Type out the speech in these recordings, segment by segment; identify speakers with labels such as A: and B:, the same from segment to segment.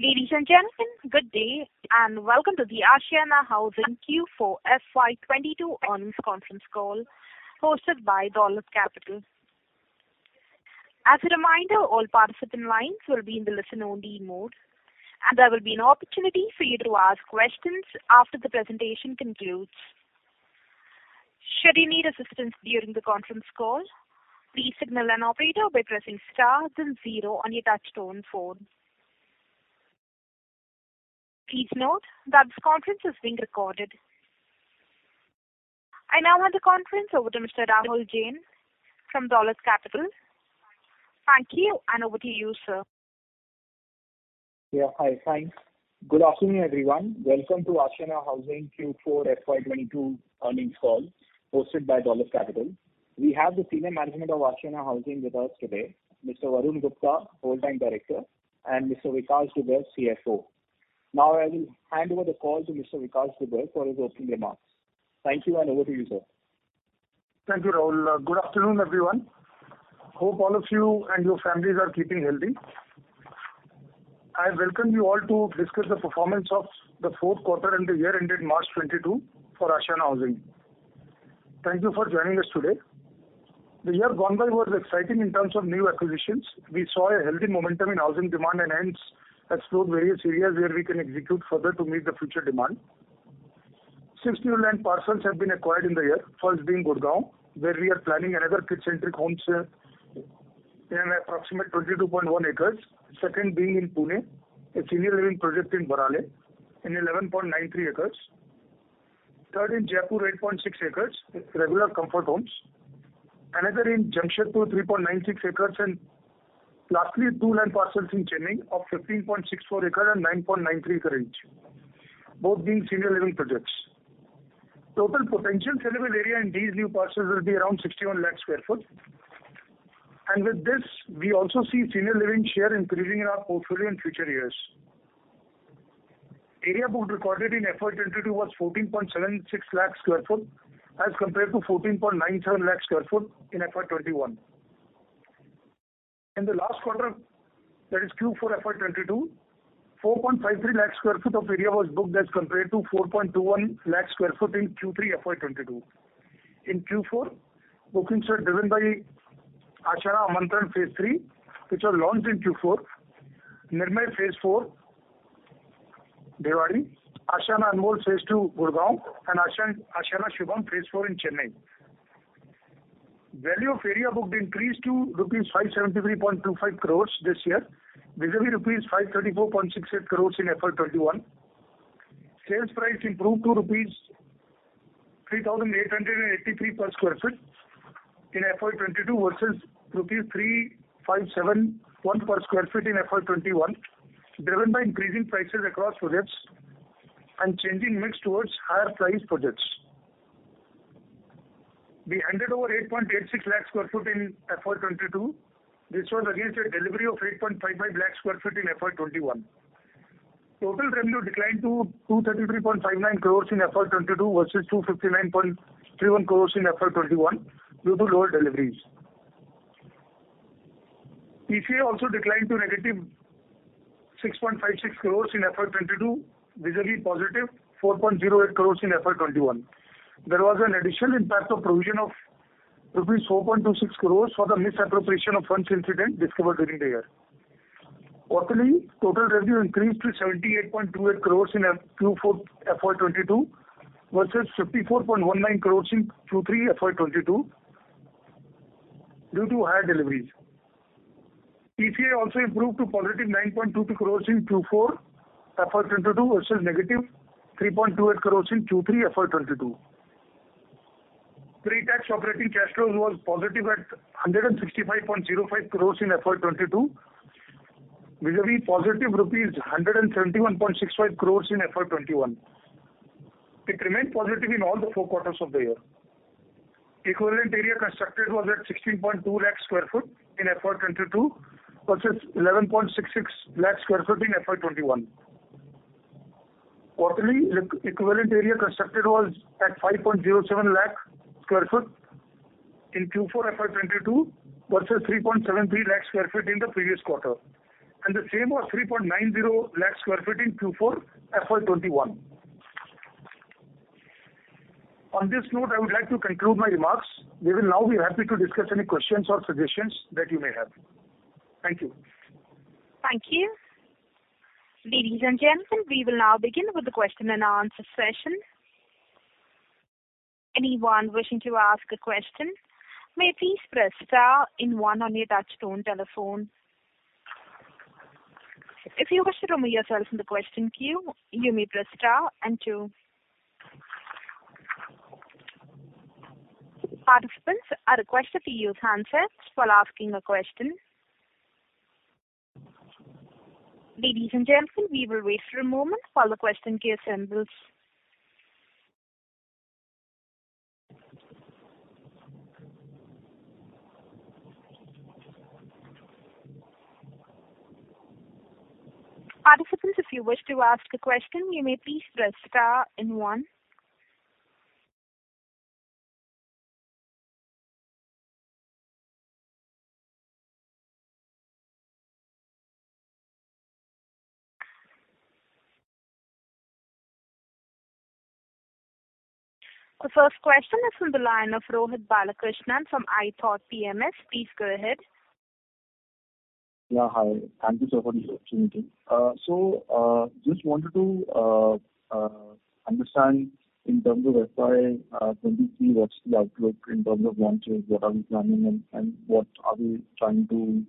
A: Ladies and gentlemen, good day, and welcome to the Ashiana Housing Q4 FY22 earnings conference call, hosted by Dolat Capital. As a reminder, all participant lines will be in the listen only mode, and there will be an opportunity for you to ask questions after the presentation concludes. Should you need assistance during the conference call, please signal an operator by pressing star then zero on your touchtone phone. Please note that this conference is being recorded. I now hand the conference over to Mr. Rahul Jain from Dolat Capital. Thank you, and over to you, sir.
B: Yeah, hi. Thanks. Good afternoon, everyone. Welcome to Ashiana Housing Q4 FY 2022 earnings call, hosted by Dolat Capital. We have the senior management of Ashiana Housing with us today, Mr. Varun Gupta, Whole Time Director, and Mr. Vikash Dugar, CFO. Now, I will hand over the call to Mr. Vikash Dugar for his opening remarks. Thank you, and over to you, sir.
C: Thank you, Rahul. Good afternoon, everyone. Hope all of you and your families are keeping healthy. I welcome you all to discuss the performance of the fourth quarter and the year ending March 2022 for Ashiana Housing. Thank you for joining us today. The year gone by was exciting in terms of new acquisitions. We saw a healthy momentum in housing demand, and hence explored various areas where we can execute further to meet the future demand. Six new land parcels have been acquired in the year, first being Gurgaon, where we are planning another Kid-Centric Homes in approximate 22.1 acres. Second being in Pune, a Senior Living project in Varale, in 11.93 acres. Third, in Jaipur, 8.6 acres, Regular Comfort Homes. Another in Jamshedpur, 3.96 acres, and lastly, two land parcels in Chennai of 15.64 acres and 9.93 acres, both being senior living projects. Total potential sellable area in these new parcels will be around 61 lakh sq ft, and with this, we also see senior living share increasing in our portfolio in future years. Area booked recorded in FY 2022 was 14.76 lakh sq ft, as compared to 14.97 lakh sq ft in FY 2021. In the last quarter, that is Q4 FY 2022, 4.53 lakh sq ft of area was booked as compared to 4.21 lakh sq ft in Q3 FY 2022. In Q4, bookings were driven by Ashiana Amantran Phase III, which was launched in Q4. Nirmay Phase IV, Bhiwadi, Ashiana Anmol Phase II, Gurgaon, and Ashiana Shubham Phase IV in Chennai. Value of area booked increased to rupees 573.25 crores this year, vis-a-vis rupees 534.68 crores in FY 2021. Sales price improved to rupees 3,883 per sq ft in FY 2022, versus INR 3,571 per sq ft in FY 2021, driven by increasing prices across projects and changing mix towards higher price projects. We handed over 8.86 lakh sq ft in FY 2022. This was against a delivery of 8.55 lakh sq ft in FY 2021. Total revenue declined to INR 233.59 crores in FY 2022, versus INR 259.31 crores in FY 2021, due to lower deliveries. EBITDA also declined to INR -6.56 crores in FY 2022, vis-a-vis +4.08 crores in FY 2021. There was an additional impact of provision of 4.26 crores rupees for the misappropriation of funds incident discovered during the year. Quarterly, total revenue increased to 78.28 crores in Q4 FY 2022, versus 54.19 crores in Q3 FY 2022, due to higher deliveries. EBITDA also improved to +9.22 crores in Q4 FY 2022, versus -3.28 crores in Q3 FY 2022. Pre-tax operating cash flow was positive at 165.05 crores in FY 2022, vis-a-vis positive rupees 171.65 crores in FY 2021. It remained positive in all the four quarters of the year. Equivalent area constructed was at 16.2 lakh sq ft in FY 2022, versus 11.66 lakh sq ft in FY 2021. Quarterly equivalent area constructed was at 5.07 lakh sq ft in Q4 FY 2022, versus 3.73 lakh sq ft in the previous quarter, and the same was 3.90 lakh sq ft in Q4 FY 2021. On this note, I would like to conclude my remarks. We will now be happy to discuss any questions or suggestions that you may have. Thank you.
A: Thank you. Ladies and gentlemen, we will now begin with the question and answer session. Anyone wishing to ask a question, may please press star and one on your touchtone telephone. If you wish to remove yourself from the question queue, you may press star and two. Participants are requested to use handsets while asking a question. Ladies and gentlemen, we will wait for a moment while the question queue assembles. Participants, if you wish to ask a question, you may please press star and one. The first question is from the line of Rohit Balakrishnan from iThought PMS. Please go ahead.
D: Yeah, hi. Thank you, sir, for the opportunity. So, just wanted to understand in terms of FY 2023, what's the outlook in terms of launches? What are we planning and what are we trying to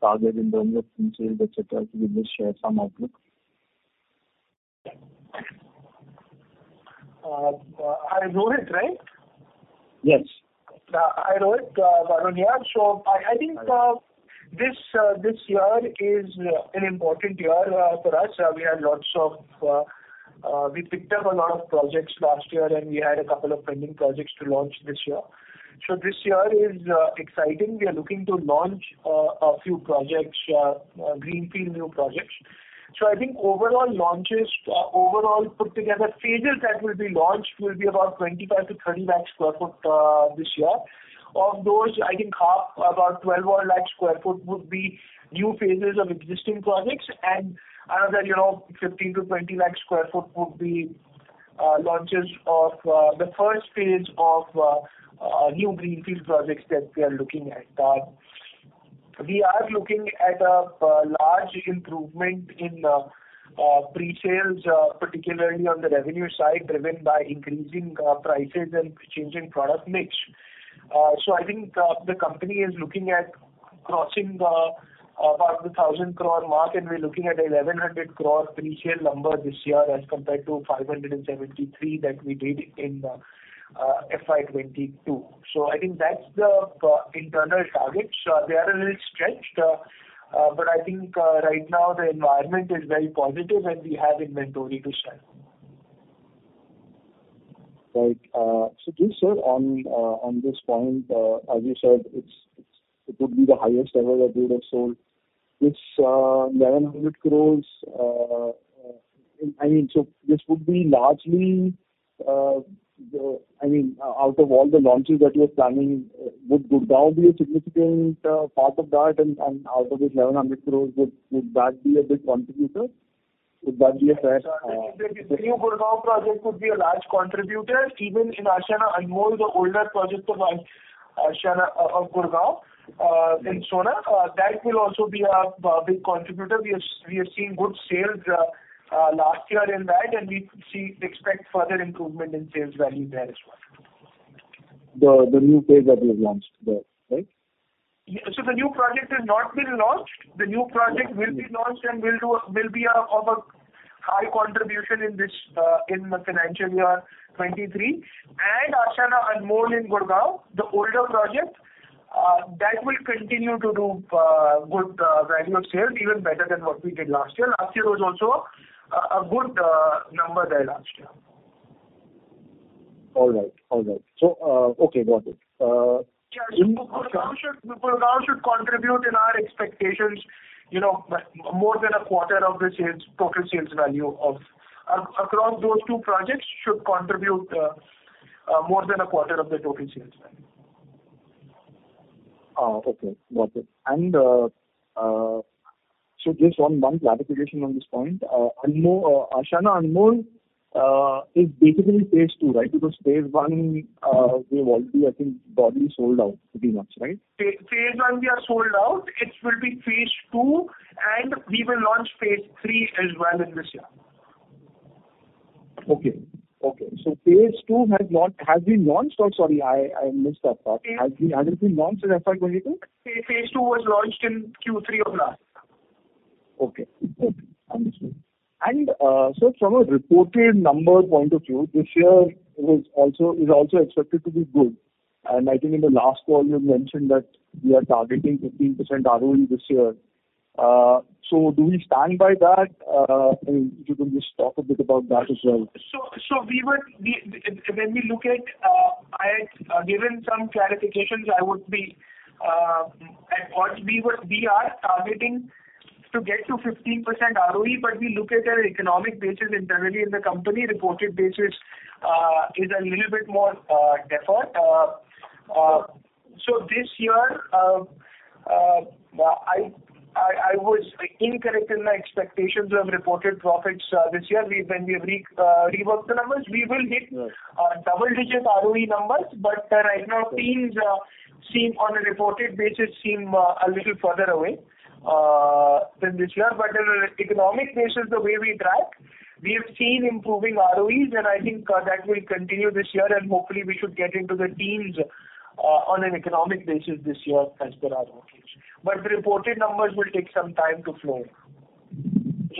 D: target in terms of pre-sales, et cetera? Could you just share some outlook?
E: Hi, Rohit, right?
D: Yes.
E: Hi, Rohit. Varun here. So I think this year is an important year for us. We picked up a lot of projects last year, and we had a couple of pending projects to launch this year. So this year is exciting. We are looking to launch a few greenfield new projects. So I think overall launches, overall, put together, phases that will be launched will be about 25 lakh-30 lakh sq ft this year. Of those, I think half, about 12 lakh sq ft, would be new phases of existing projects, and another, you know, 15 lakh-20 lakh sq ft would be launches of the first phase of new greenfield projects that we are looking at. We are looking at a large improvement in pre-sales, particularly on the revenue side, driven by increasing prices and changing product mix. So I think the company is looking at crossing about the 1,000 crore mark, and we're looking at 1,100 crore pre-sale number this year, as compared to 573 crore that we did in FY 2022. So I think that's the internal targets. They are a little stretched, but I think right now the environment is very positive, and we have inventory to sell.
D: Right. So just, sir, on this point, as you said, it's it would be the highest ever that you would have sold. This, 1,100 crore, I mean, so this would be largely, the... I mean, out of all the launches that you are planning, would Gurgaon be a significant part of that? And, out of this 1,100 crore, would that be a big contributor? Would that be a fair,
E: The new Gurgaon project would be a large contributor. Even in Ashiana Anmol, the older project of Ashiana of Gurgaon, in Sohna, that will also be a big contributor. We have seen good sales last year in that, and we expect further improvement in sales value there as well.
D: The new phase that you have launched there, right?
E: Yeah. So the new project has not been launched. The new project will be launched and will be a high contribution in this financial year 2023. And Ashiana Anmol in Gurgaon, the older project, that will continue to do good value of sales, even better than what we did last year. Last year was also a good number there last year.
D: All right. All right. So, okay, got it.
E: Yeah, so Gurgaon should contribute in our expectations, you know, more than a quarter of the sales, total sales value across those two projects should contribute more than a quarter of the total sales value.
D: Okay. Got it. And, so just one clarification on this point. Ashiana Anmol is basically Phase II, right? Because Phase I, they've already, I think, broadly sold out pretty much, right?
E: Phase I, we are sold out. It will be Phase II, and we will launch Phase III as well in this year.
D: Okay. Okay, so Phase II has been launched or... Sorry, I missed that part.
E: Yeah.
D: Has it been launched in FY 2022?
E: Phase II was launched in Q3 of last year.
D: Okay. Okay, understood. And so from a reported number point of view, this year is also, is also expected to be good. And I think in the last call, you mentioned that we are targeting 15% ROE this year. So do we stand by that? I mean, if you can just talk a bit about that as well.
E: When we look at, I had given some clarifications. I would be at odds. We are targeting to get to 15% ROE, but we look at our economic basis internally in the company. Reported basis is a little bit more different. So this year, I was incorrect in my expectations of reported profits this year. When we've reworked the numbers, we will hit-
D: Right...
E: double-digit ROE numbers, but right now, teams seem on a reported basis a little further away than this year. But on an economic basis, the way we track, we have seen improving ROEs, and I think that will continue this year, and hopefully, we should get into the teens on an economic basis this year as per our projections. But reported numbers will take some time to flow.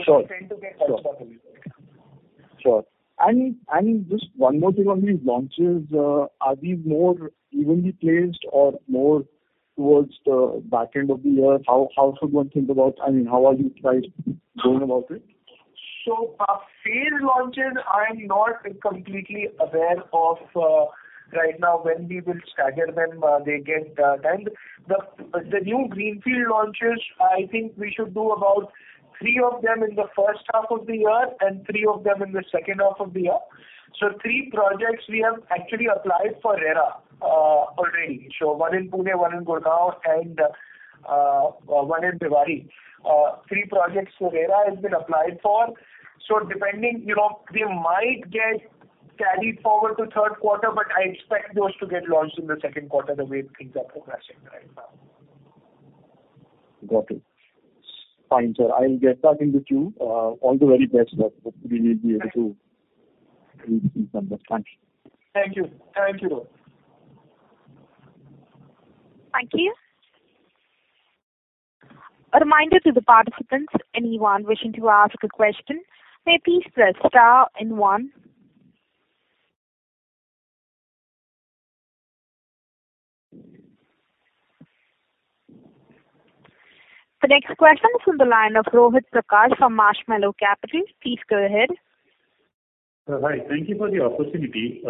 D: Sure.
E: They tend to get touched upon.
D: Sure. And just one more thing on these launches, are these more evenly placed or more towards the back end of the year? How should one think about... I mean, how are you guys going about it?
E: So, phase launches, I'm not completely aware of right now when we will stagger them. They get timed. The new greenfield launches, I think we should do about three of them in the first half of the year and three of them in the second half of the year. So three projects we have actually applied for RERA already. So one in Pune, one in Gurgaon, and one in Bhiwadi. Three projects RERA has been applied for. So depending, you know, we might get carried forward to third quarter, but I expect those to get launched in the second quarter, the way things are progressing right now.
D: Got it. Fine, sir. I will get back to you. All the very best, but hopefully we will be able to do some business. Thanks.
E: Thank you. Thank you.
A: Thank you. A reminder to the participants, anyone wishing to ask a question, may please press star and one. The next question is from the line of Rohit Prakash from Marshmallow Capital. Please go ahead.
F: Sir, hi. Thank you for the opportunity.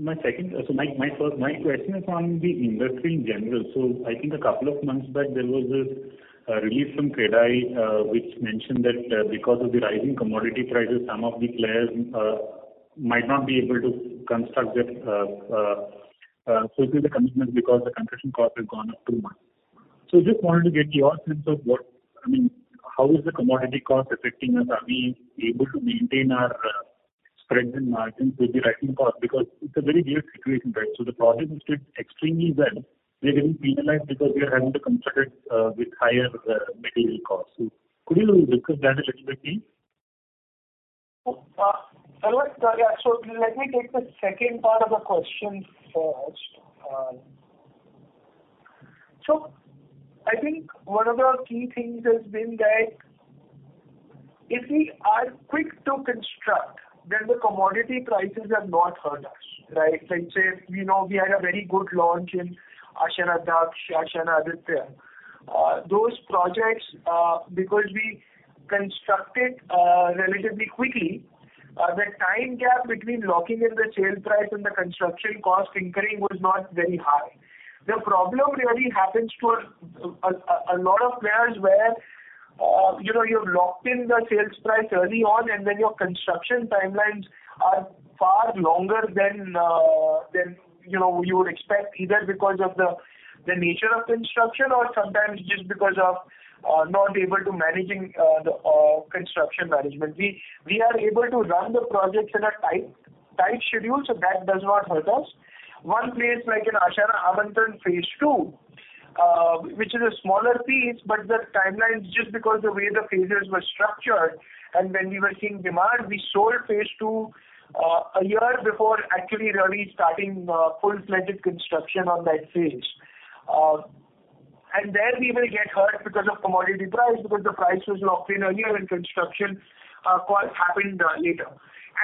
F: My second—so my first question is on the industry in general. So I think a couple of months back, there was a release from CREDAI, which mentioned that, because of the rising commodity prices, some of the players might not be able to construct their fulfill the commitment because the construction cost has gone up too much. So just wanted to get your sense of what—I mean, how is the commodity cost affecting us? Are we able to maintain our spreads and margins with the rising cost? Because it's a very weird situation, right? So the project did extremely well. We're getting penalized because we are having to construct it with higher material costs. So could you discuss that a little bit, please?
E: So let me take the second part of the question first. So I think one of the key things has been that if we are quick to construct, then the commodity prices have not hurt us, right? Like, say, we know we had a very good launch in Ashiana Daksh, Ashiana Aditya. Those projects, because we constructed relatively quickly, the time gap between locking in the sale price and the construction cost incurring was not very high. The problem really happens to a lot of players where, you know, you've locked in the sales price early on, and then your construction timelines are far longer than, than, you know, you would expect, either because of the nature of construction or sometimes just because of not able to managing the construction management. We are able to run the projects in a tight, tight schedule, so that does not hurt us. One place, like in Ashiana Amantran Phase II, which is a smaller piece, but the timelines, just because the way the phases were structured, and when we were seeing demand, we sold Phase II, a year before actually really starting, full-fledged construction on that phase. And there we will get hurt because of commodity price, because the price was locked in earlier, and construction, cost happened, later.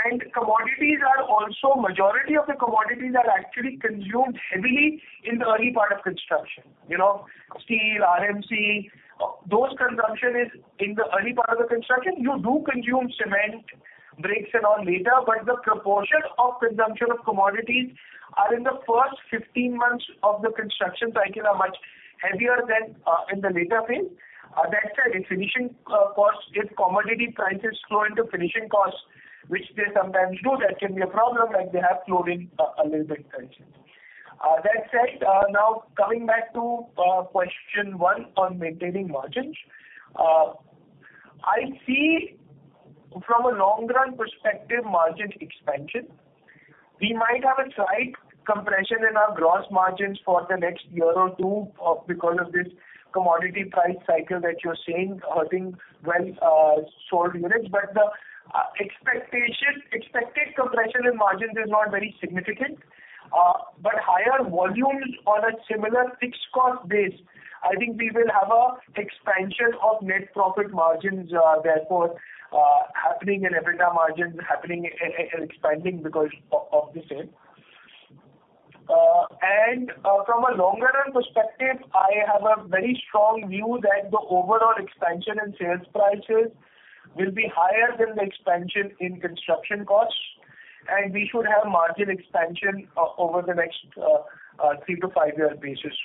E: And commodities are also—majority of the commodities are actually consumed heavily in the early part of construction. You know, steel, RMC, those consumption is in the early part of the construction. You do consume cement, bricks, and all later, but the proportion of consumption of commodities are in the first 15 months of the construction cycle are much heavier than in the later phase. That said, if finishing costs, if commodity prices flow into finishing costs, which they sometimes do, that can be a problem, like they have flowed in a little bit recently. That said, now coming back to question one on maintaining margins. I see from a long-run perspective, margin expansion. We might have a slight compression in our gross margins for the next year or two because of this commodity price cycle that you're seeing hurting well sold units. But the expected compression in margins is not very significant. But higher volumes on a similar fixed cost base, I think we will have an expansion of net profit margins, therefore, happening in EBITDA margins, happening expanding because of the same. And, from a longer run perspective, I have a very strong view that the overall expansion in sales prices will be higher than the expansion in construction costs, and we should have margin expansion over the next three, five year basis.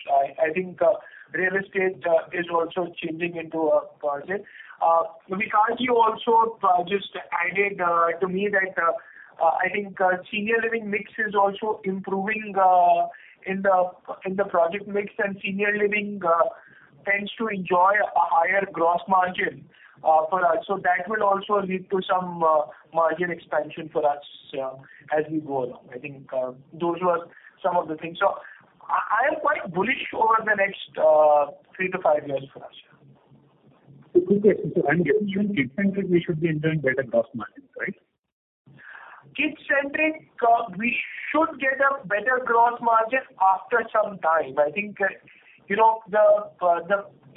E: I think real estate is also changing into a margin. Vikash, you also just added to me that, I think, senior living mix is also improving, in the project mix, and senior living tends to enjoy a higher gross margin, for us. That will also lead to some margin expansion for us, as we go along. I think, those were some of the things. I, I am quite bullish over the next three to five years for us.
F: Okay. Getting even Kid-Centric, we should be enjoying better gross margins, right?
E: Kid-Centric, we should get a better gross margin after some time. I think, you know,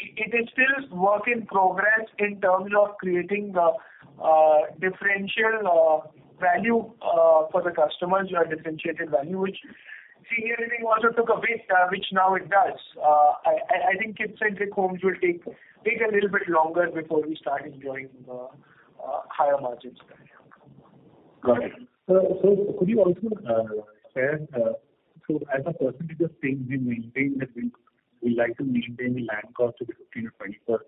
E: it is still work in progress in terms of creating differential value for the customers, your differentiated value, which senior living also took a bit, which now it does. I think kid-centric homes will take a little bit longer before we start enjoying higher margins there.
F: Got it. So, so could you also, share, so as a percentage of sales, we maintain the... We like to maintain the land cost to be 15%-20%.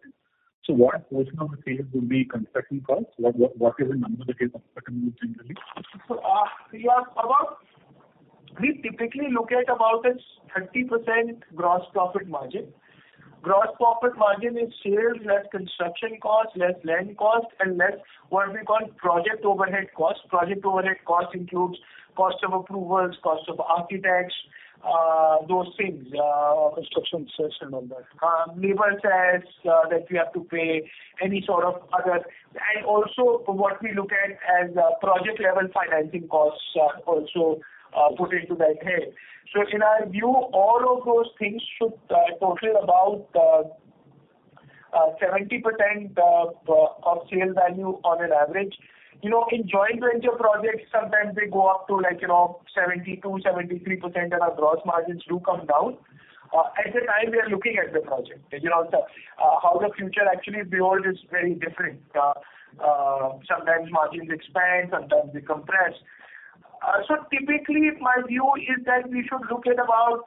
F: So what portion of the sales will be construction cost? What is the number that is comfortable generally?
E: So, Vikash, about? We typically look at about a 30% gross profit margin. Gross profit margin is sales less construction cost, less land cost, and less what we call project overhead costs. Project overhead costs includes cost of approvals, cost of architects, those things, construction sites and all that. Labor costs that we have to pay any sort of other. And also what we look at as, project level financing costs are also, put into that head. So in our view, all of those things should total about 70% of sale value on an average. You know, in joint venture projects, sometimes they go up to, like, you know, 72%-73%, and our gross margins do come down. At the time, we are looking at the project, you know, the how the future actually behold is very different. Sometimes margins expand, sometimes they compress. So typically, my view is that we should look at about,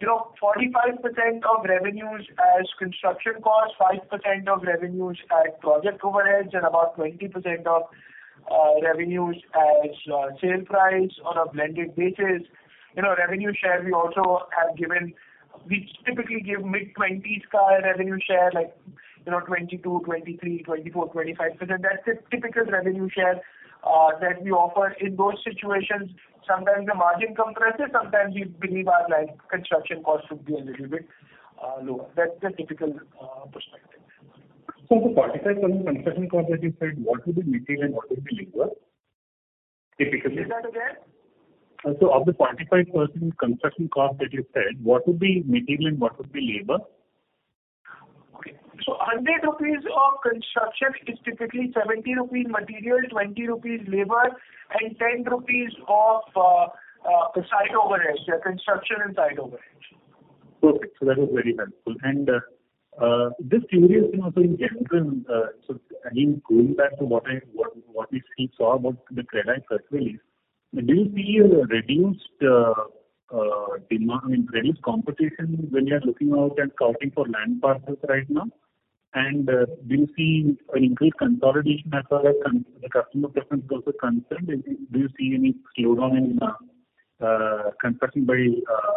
E: you know, 45% of revenues as construction costs, 5% of revenues as project overheads, and about 20% of revenues as sale price on a blended basis. You know, revenue share, we also have given. We typically give mid-twenties revenue share, like, you know, 22, 23, 24, 25%. That's the typical revenue share that we offer in those situations. Sometimes the margin compresses, sometimes we believe our land construction costs should be a little bit lower. That's the typical perspective.
F: The 45% construction cost that you said, what would be material and what would be labor, typically?
E: Say that again.
F: Of the 45% construction cost that you said, what would be material and what would be labor?
E: Okay. So 100 rupees of construction is typically 70 rupees material, 20 rupees labor, and 10 rupees of site overhead, the construction and site overhead.
F: Perfect. So that is very helpful. And, this is curious, you know, so in general, so again, going back to what we saw about the market currently, do you see a reduced demand, reduced competition when you are looking out and scouting for land parcels right now? And, do you see an increased consolidation as far as the customer preference is concerned? Do you see any slowdown in construction by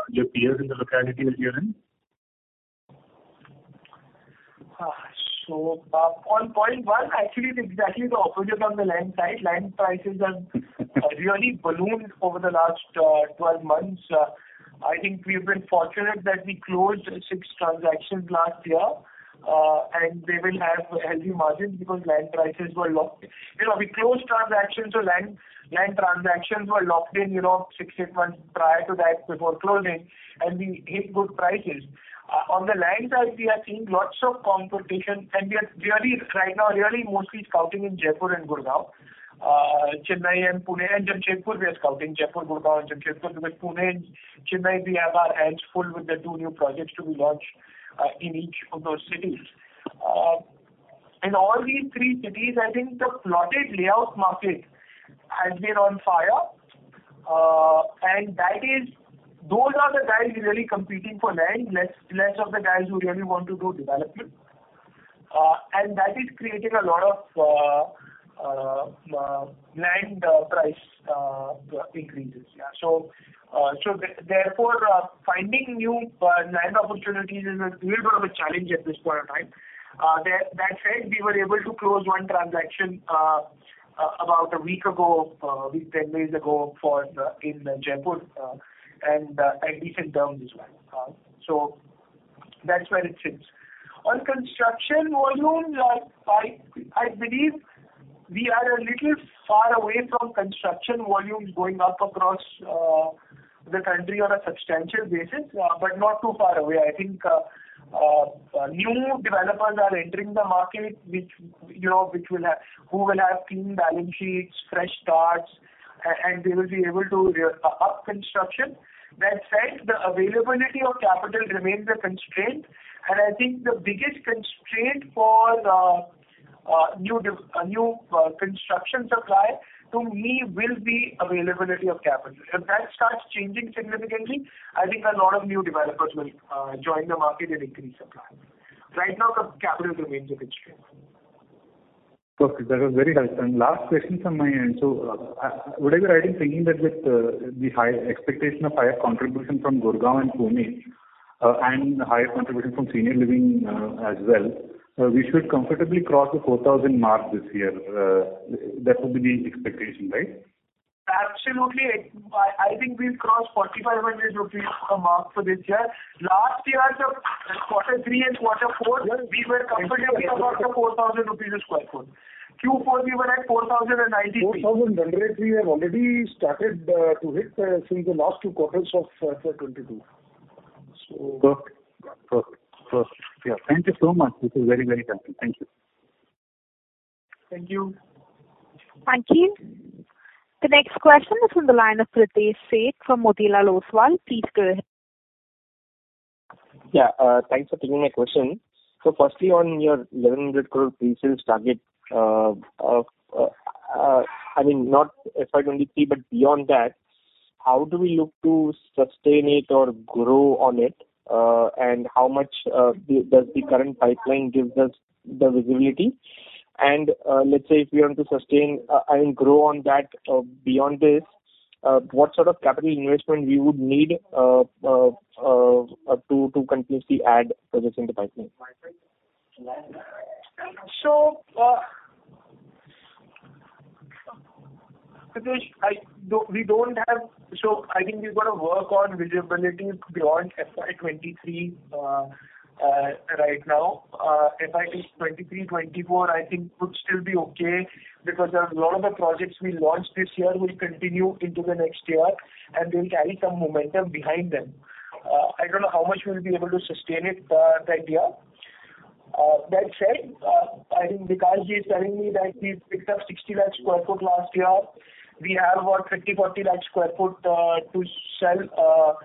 F: your peers in the locality that you're in?
E: So, on point one, actually, it's exactly the opposite on the land side. Land prices have really ballooned over the last 12 months. I think we've been fortunate that we closed six transactions last year, and they will have healthy margins because land prices were locked. You know, we closed transactions so land, land transactions were locked in, you know, six, eight months prior to that, before closing, and we hit good prices. On the land side, we are seeing lots of competition, and we are really, right now, really mostly scouting in Jaipur and Gurgaon. Chennai and Pune, and Jodhpur, we are scouting, Jaipur, Gurgaon, and Jodhpur, because Pune and Chennai, we have our hands full with the two new projects to be launched in each of those cities. In all these three cities, I think the plotted layout market has been on fire, and that is, those are the guys really competing for land, less, less of the guys who really want to do development, and that is creating a lot of land price increases. Yeah, so therefore, finding new land opportunities is a little bit of a challenge at this point in time. That said, we were able to close 1 transaction, about a week ago, 10 days ago, for the in Jaipur, and at decent terms as well. So that's where it sits. On construction volume, I believe we are a little far away from construction volumes going up across the country on a substantial basis, but not too far away. I think new developers are entering the market, which, you know, who will have clean balance sheets, fresh starts, and they will be able to up construction. That said, the availability of capital remains a constraint, and I think the biggest constraint for a new construction supply, to me, will be availability of capital. If that starts changing significantly, I think a lot of new developers will join the market and increase supply. Right now, the capital remains a constraint.
F: Perfect. That was very helpful. Last question from my end. So, what I was thinking that with the high expectation of higher contribution from Gurgaon and Pune, and higher contribution from senior living, as well, we should comfortably cross the 4,000 mark this year. That would be the expectation, right?
E: Absolutely. I think we've crossed 4,500 rupees mark for this year. Last year, the quarter three and quarter four, we were comfortably above the 4,000 rupees a sq ft. Q4, we were at 4,093.
F: 4,000, we have already started to hit since the last two quarters of 2022. So-
E: Perfect.
F: Perfect. Perfect. Yeah. Thank you so much. This is very, very helpful. Thank you.
E: Thank you.
A: Thank you. The next question is from the line of Pritesh Sheth from Motilal Oswal. Please go ahead.
G: Yeah, thanks for taking my question. So firstly, on your 1,100 crore pre-sales target, I mean, not FY 2023, but beyond that, how do we look to sustain it or grow on it? And how much does the current pipeline give us the visibility? And, let's say if we want to sustain and grow on that, beyond this, what sort of capital investment we would need to continuously add projects in the pipeline?
E: So, Pritesh, we don't have. So I think we've got to work on visibility beyond FY 2023, right now. FY 2023, 2024, I think would still be okay, because a lot of the projects we launched this year will continue into the next year, and they'll carry some momentum behind them. I don't know how much we'll be able to sustain it, that year. That said, I think Vikash is telling me that we picked up 60 lakh sq ft last year. We have about 30 lakh-40 lakh sq ft to sell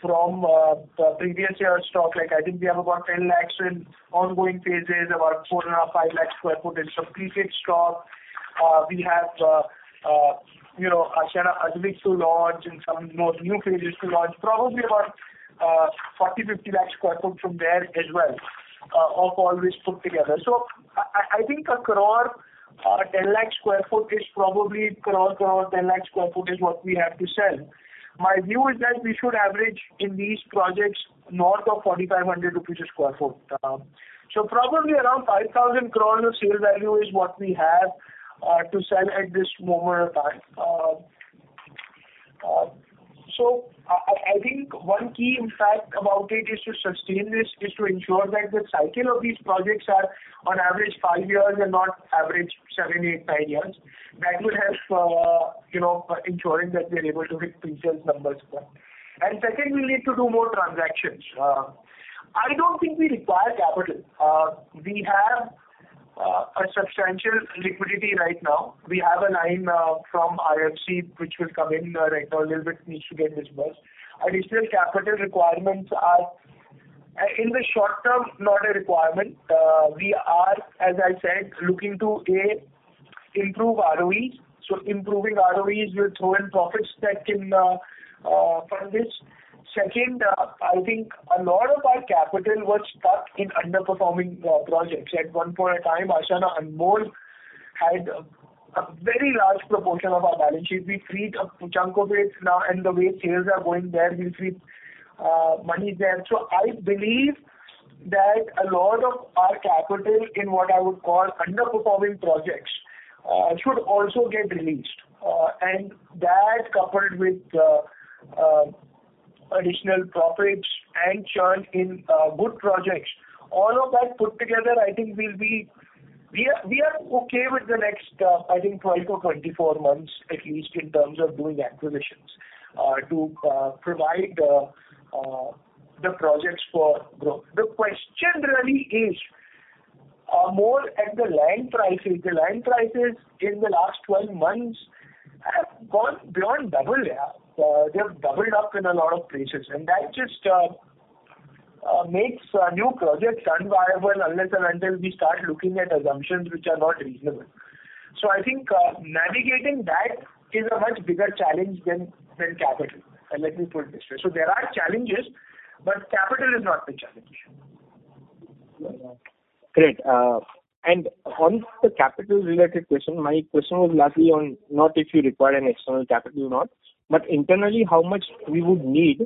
E: from the previous year's stock. Like, I think we have about 10 lakhs in ongoing phases, about 4.5 lakh-5 lakh sq ft. We have, you know, Ashiana Amarah to launch and some more new phases to launch, probably about 40 lakh-50 lakh sq ft from there as well, of all this put together. So I think 1 crore, 10 lakh sq ft is probably INR 1 crore, INR 10 lakh sq ft is what we have to sell. My view is that we should average in these projects north of 4,500 rupees a sq ft. So probably around 5,000 crore of sale value is what we have to sell at this moment of time. So I think one key insight about it is to sustain this, is to ensure that the cycle of these projects are on average five years and not average seven, eight, 10 years. That will help, you know, ensuring that we're able to hit pre-sales numbers. And secondly, we need to do more transactions. I don't think we require capital. We have a substantial liquidity right now. We have a line from IFC, which will come in right now, a little bit needs to get dispersed. Additional capital requirements are in the short term, not a requirement. We are, as I said, looking to, A, improve ROEs. So improving ROEs will throw in profits that can fund this. Second, I think a lot of our capital was stuck in underperforming projects. At one point in time, Ashiana Anmol had a very large proportion of our balance sheet. We freed a chunk of it now, and the way sales are going there, we'll free money there. So I believe that a lot of our capital in what I would call underperforming projects should also get released. And that, coupled with additional profits and churn in good projects, all of that put together, I think will be... We are okay with the next, I think 12-24 months, at least in terms of doing acquisitions, to the projects for growth. The question really is more at the land prices. The land prices in the last 12 months have gone beyond double, yeah. They have doubled up in a lot of places, and that just makes new projects unviable unless and until we start looking at assumptions which are not reasonable. So I think navigating that is a much bigger challenge than capital. Let me put it this way. So there are challenges, but capital is not the challenge.
G: Great. And on the capital related question, my question was largely on not if you require an external capital or not, but internally, how much we would need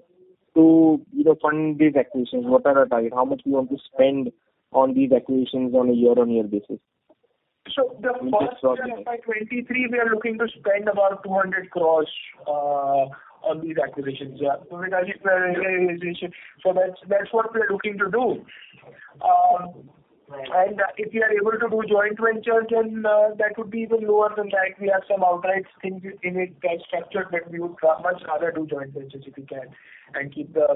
G: to, you know, fund these acquisitions? What are our target? How much we want to spend on these acquisitions on a year-on-year basis?
E: So the first half by 2023, we are looking to spend about 200 crore on these acquisitions. So that's what we are looking to do. And if we are able to do joint ventures, then that would be even lower than that. We have some outright things in it, that structure, but we would much rather do joint ventures if we can, and keep the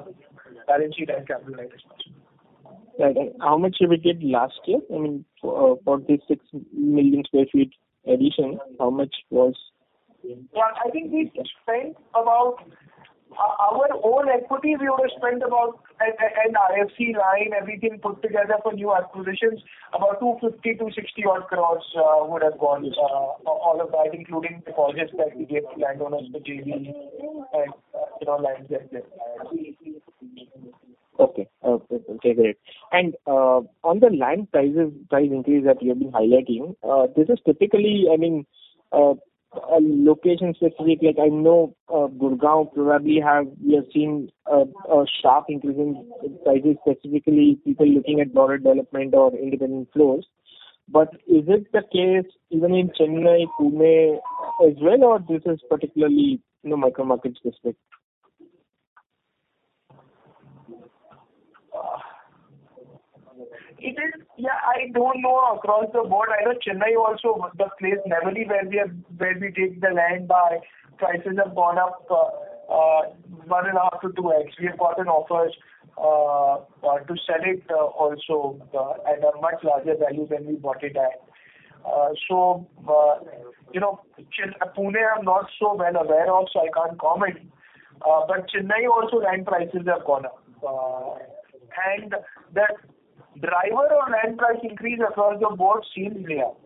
E: balance sheet and capital light as possible.
G: Right. And how much have we did last year? I mean, for the 6 million sq ft addition, how much was-
E: Yeah, I think we spent about... Our own equity, we would have spent about an IFC line, everything put together for new acquisitions, about 250-260 odd crores, would have gone, all of that, including the projects that we gave landowners to JV and, you know, lands like that.
G: Okay. Okay, great. And on the land prices, price increase that you have been highlighting, this is typically, I mean, location specific. Like, I know, Gurgaon probably have we have seen, a sharp increase in prices, specifically people looking at lower development or independent floors. But is it the case even in Chennai, Pune as well, or this is particularly in the micro market specific?
E: Yeah, I don't know across the board. I know Chennai also, the place mainly where we are, where we take the land buy, prices have gone up, 1.5-2x. We have gotten offers to sell it also at a much larger value than we bought it at. So, you know, Chennai, Pune, I'm not so well aware of, so I can't comment. But Chennai also, land prices have gone up. And the driver of land price increase across the board seems layouts.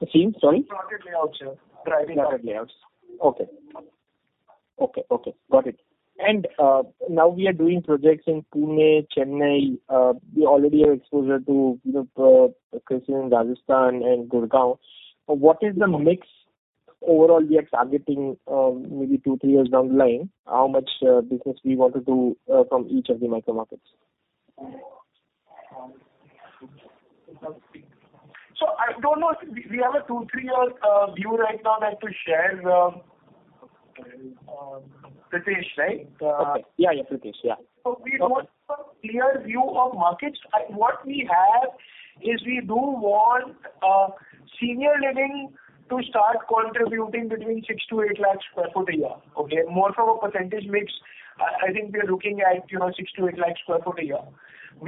G: It seems, sorry?
E: Pocket layouts, driving plotted layouts.
G: Okay. Okay, okay, got it. And now we are doing projects in Pune, Chennai, we already have exposure to, you know, Rajasthan and Gurgaon. What is the mix overall we are targeting, maybe two to three years down the line? How much business we want to do from each of the micro markets?
E: I don't know if we have a two to three year view right now to share on Pritesh, right?
G: Okay. Yeah, yeah, Pritesh, yeah.
E: So we don't have a clear view of markets. And what we have is we do want senior living to start contributing between 6 lakh-8 lakh sq ft a year, okay? More from a percentage mix, I think we are looking at, you know, 6 lakh-8 lakh sq ft a year.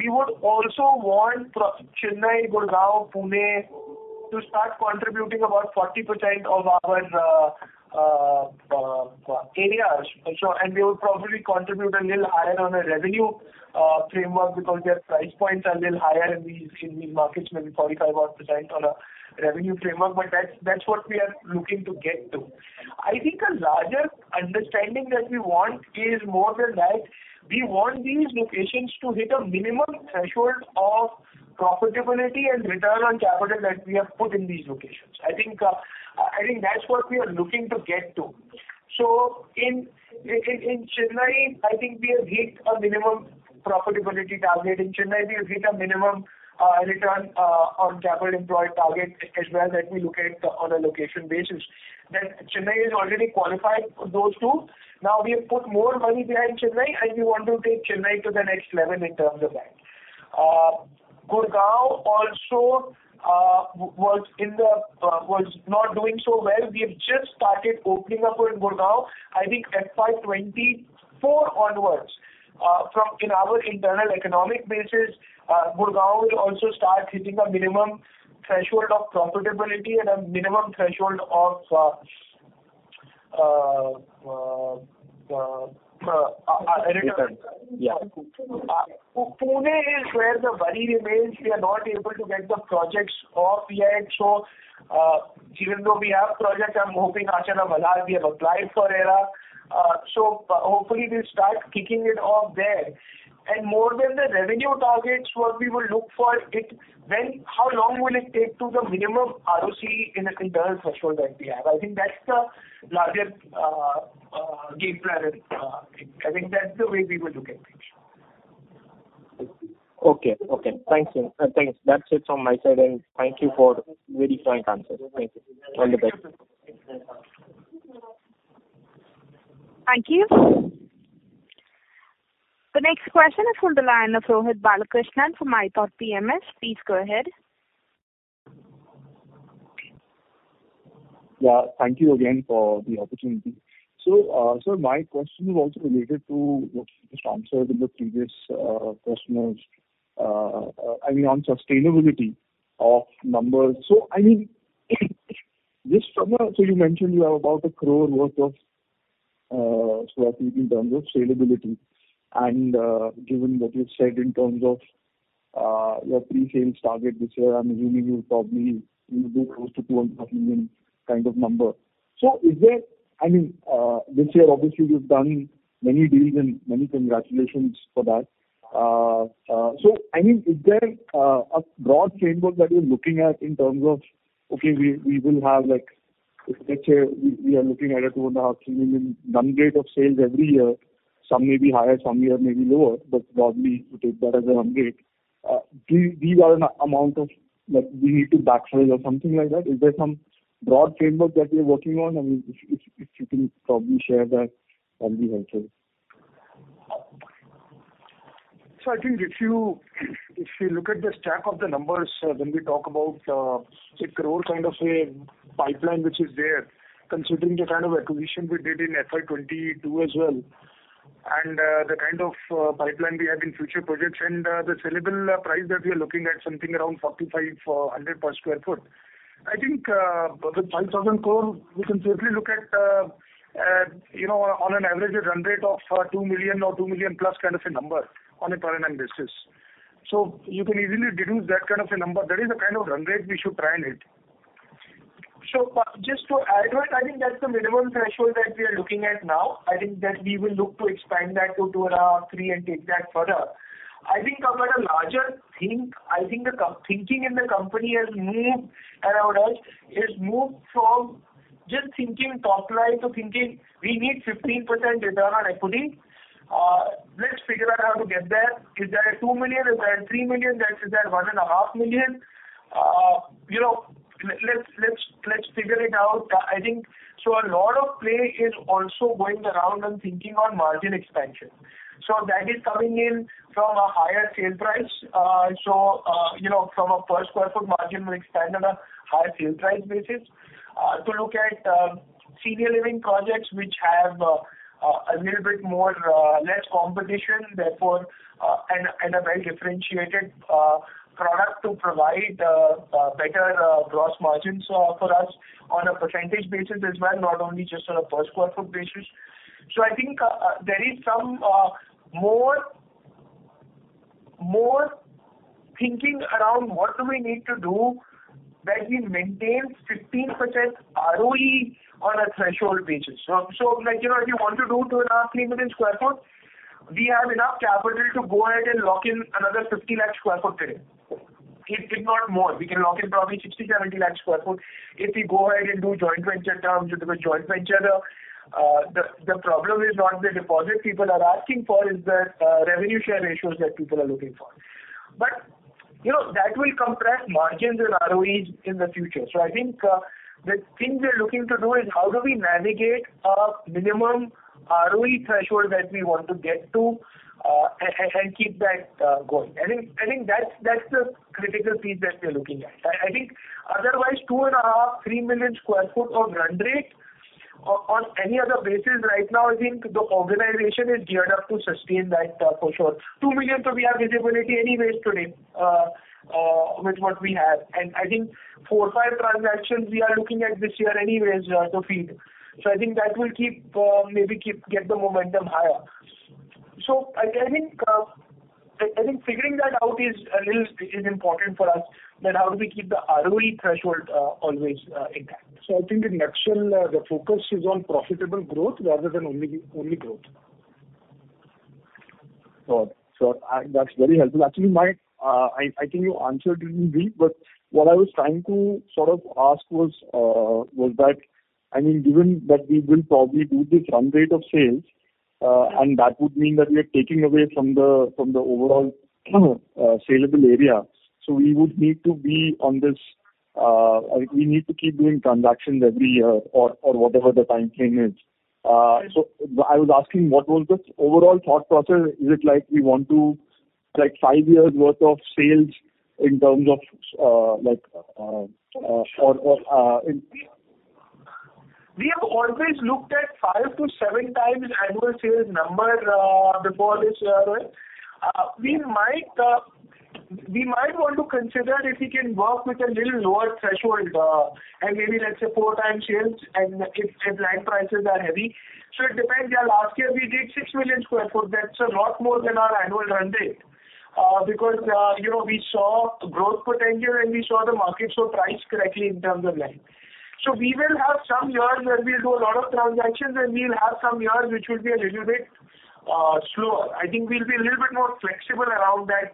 E: We would also want our Chennai, Gurgaon, Pune to start contributing about 40% of our areas. So, and they would probably contribute a little higher on a revenue framework, because their price points are a little higher in these, in these markets, maybe 45% odd on a revenue framework, but that's what we are looking to get to. I think a larger understanding that we want is more than that, we want these locations to hit a minimum threshold of profitability and return on capital that we have put in these locations. I think, I think that's what we are looking to get to. So in Chennai, I think we have hit a minimum profitability target. In Chennai, we have hit a minimum return on capital employed target as well that we look at on a location basis. Then Chennai has already qualified those two. Now, we have put more money behind Chennai, and we want to take Chennai to the next level in terms of that. Gurgaon also was not doing so well. We have just started opening up in Gurgaon. I think at 2024 onwards, in our internal economic basis, Gurgaon will also start hitting a minimum threshold of profitability and a minimum threshold of return.
G: Return, yeah.
E: Pune is where the worry remains. We are not able to get the projects off yet. So, even though we have projects, I'm hoping Ashiana Malhar, we have applied for RERA. So hopefully, we'll start kicking it off there. And more than the revenue targets, what we will look for it, when—how long will it take to the minimum ROCE in an internal threshold that we have? I think that's the larger, game plan. I think that's the way we will look at things.
G: Okay, okay. Thank you. Thanks. That's it from my side, and thank you for very frank answers. Thank you. All the best.
A: Thank you. The next question is from the line of Rohit Balakrishnan from iThought PMS. Please go ahead.
D: Yeah, thank you again for the opportunity. So, so my question is also related to what you just answered in the previous, question was, I mean, on sustainability of numbers. So I mean, this summer, so you mentioned you have about 1 crore worth of, so I think in terms of salability, and, given what you said in terms of, your pre-sale target this year, I'm assuming you'll probably do close to 200 million kind of number. So is there... I mean, this year, obviously, you've done many deals and many congratulations for that. So, I mean, is there, a broad framework that you're looking at in terms of, okay, we, we will have, like, let's say, we, we are looking at a 2.5 million-3 million run rate of sales every year. Some may be higher, some year may be lower, but probably we take that as a run rate. These are an amount of, like, we need to backsize or something like that. Is there some broad framework that you're working on? I mean, if, if, if you can probably share that, that'll be helpful.
C: So I think if you, if you look at the stack of the numbers, when we talk about a crore kind of a pipeline which is there, considering the kind of acquisition we did in FY 2022 as well, and the kind of pipeline we have in future projects and the sellable price that we are looking at, something around 4,500 per sq ft. I think with 5,000 crore, we can certainly look at you know, on an average, a run rate of 2 million or 2 million+ kind of a number on a per annum basis. So you can easily deduce that kind of a number. That is the kind of run rate we should try and hit.
E: So just to add on, I think that's the minimum threshold that we are looking at now. I think that we will look to expand that to 2.5 million-3 million and take that further. I think at a larger think, I think the co-thinking in the company has moved around us. It's moved from just thinking top line to thinking, we need 15% return on equity. Let's figure out how to get there. Is there a 2 million? Is there 3 million? Is there 1.5 million? You know, let's figure it out. I think. So a lot of play is also going around and thinking on margin expansion. So that is coming in from a higher sale price. So, you know, from a per sq ft margin, we expand on a higher sale price basis, to look at senior living projects, which have a little bit more less competition, therefore, and a very differentiated product to provide, better gross margins for us on a percentage basis as well, not only just on a per sq ft basis. So I think, there is some more thinking around what do we need to do, that we maintain 15% ROE on a threshold basis. So, like, you know, if you want to do 2.5 million-3 million sq ft, we have enough capital to go ahead and lock in another 50 lakh sq ft today. If, if not more, we can lock in probably 60 lakh-70 lakh sq ft, if we go ahead and do joint venture terms with the joint venture. The problem is not the deposit people are asking for, is the revenue share ratios that people are looking for. But, you know, that will compress margins and ROEs in the future. So I think the things we are looking to do is how do we navigate a minimum ROE threshold that we want to get to, and keep that going? I think that's the critical piece that we're looking at. I think otherwise, 2.5 million-3 million sq ft of run rate, on any other basis right now, I think the organization is geared up to sustain that, for sure. 2 million, so we have visibility anyways today with what we have. And I think four to five transactions we are looking at this year anyways to feed. So I think that will keep maybe get the momentum higher. So I think figuring that out is a little important for us, that how do we keep the ROE threshold always intact.
C: So I think in next year the focus is on profitable growth rather than only growth.
D: Sure. So that's very helpful. Actually, I think you answered it indeed, but what I was trying to sort of ask was that, I mean, given that we will probably do this run rate of sales, and that would mean that we are taking away from the, from the overall, saleable area. So we would need to be on this, we need to keep doing transactions every year or, or whatever the time frame is. So I was asking, what was the overall thought process? Is it like we want to, like, five years worth of sales in terms of, like, or, or, in-
E: We have always looked at 5-7x annual sales number, before this. We might, we might want to consider if we can work with a little lower threshold, and maybe, let's say 4x sales and if, if land prices are heavy. So it depends. Yeah, last year we did 6 million sq ft. That's a lot more than our annual run rate. Because, you know, we saw growth potential, and we saw the market so price correctly in terms of land. So we will have some years where we'll do a lot of transactions, and we'll have some years which will be a little bit, slower. I think we'll be a little bit more flexible around that.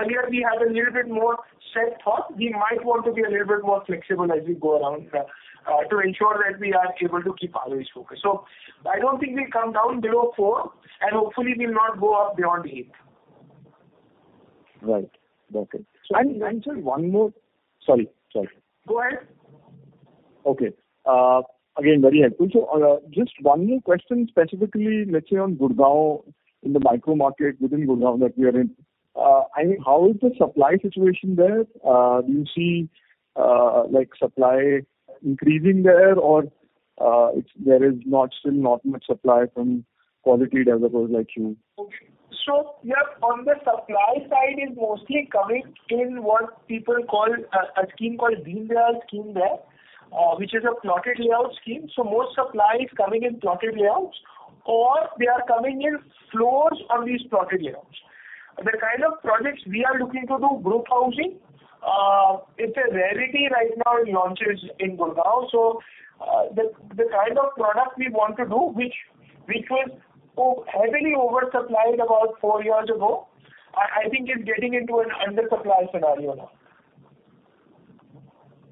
E: Earlier, we had a little bit more set thought. We might want to be a little bit more flexible as we go around, to ensure that we are able to keep always focused. So I don't think we'll come down below four, and hopefully we'll not go up beyond eight.
D: Right. Okay. And sir, one more. Sorry, sorry.
E: Go ahead.
D: Okay. Again, very helpful. So, just one more question, specifically, let's say, on Gurgaon, in the micro market, within Gurgaon that we are in. I mean, how is the supply situation there? Do you see, like, supply increasing there, or there is not, still not much supply from quality developers like you?
E: Okay. So, yeah, on the supply side, is mostly coming in what people call a, a scheme called Deendayal scheme there, which is a plotted layout scheme. So most supply is coming in plotted layouts, or they are coming in floors on these plotted layouts. The kind of products we are looking to do, group housing, it's a rarity right now in launches in Gurgaon. So, the kind of product we want to do, which was so heavily oversupplied about four years ago, I think it's getting into an undersupply scenario now.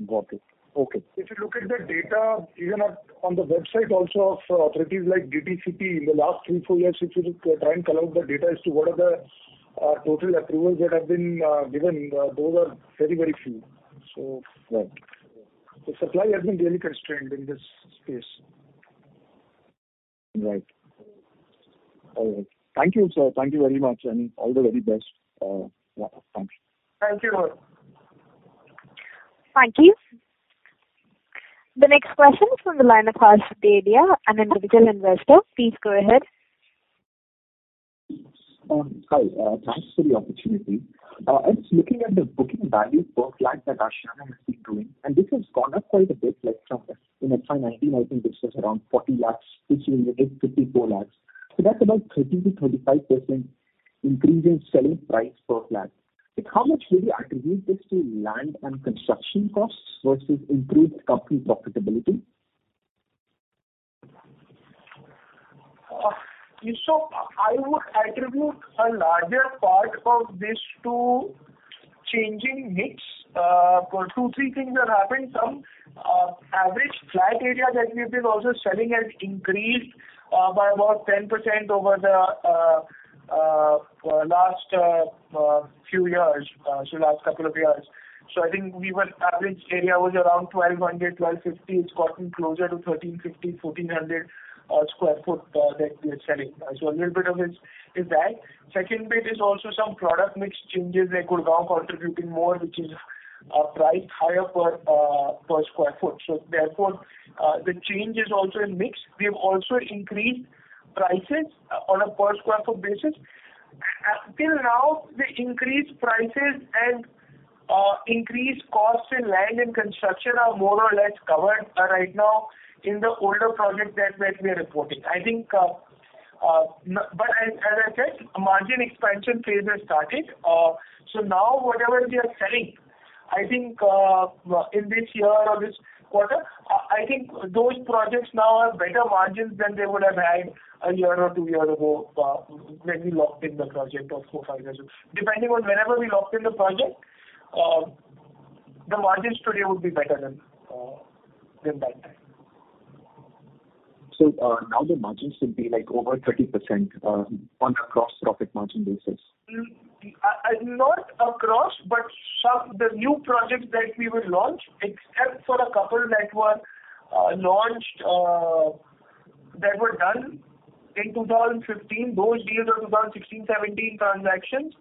D: Got it. Okay.
C: If you look at the data, even on the website also of authorities like DTCP, in the last three, four years, if you try and collect the data as to what are the total approvals that have been given, those are very, very few. So-
D: Right.
C: The supply has been really constrained in this space.
D: Right. All right. Thank you, sir. Thank you very much, and all the very best, thank you.
E: Thank you.
A: Thank you. The next question is from the line of Harsh Dedhia, an individual investor. Please go ahead.
H: Hi, thanks for the opportunity. I was looking at the booking value per flat that Ashiana has been doing, and this has gone up quite a bit, like from in FY 2019, I think this was around 40 lakhs, this year it is 54 lakhs. So that's about 30%-35% increase in selling price per flat. Like, how much will you attribute this to land and construction costs versus improved company profitability?
E: So I would attribute a larger part of this to changing mix. Two, three things have happened. Average flat area that we've been also selling has increased by about 10% over the last few years, so last couple of years. So I think average area was around 1,200, 1,250. It's gotten closer to 1,350, 1,400 sq ft that we are selling. So a little bit of it is that. Second bit is also some product mix changes, like Gurgaon contributing more, which is priced higher per sq ft. So therefore, the change is also in mix. We have also increased prices on a per sq ft basis. Till now, the increased prices and-... Increased costs in land and construction are more or less covered right now in the older projects that we are reporting. I think, but as I said, margin expansion phase has started. So now whatever we are selling, I think, in this year or this quarter, I think those projects now have better margins than they would have had a year or two years ago, when we locked in the project four to five years ago. Depending on whenever we locked in the project, the margins today would be better than that time.
H: So, now the margins should be like over 30%, on a gross profit margin basis?
E: Not across, but the new projects that we will launch, except for a couple that were launched that were done in 2015, those deals are 2016, 2017 transactions.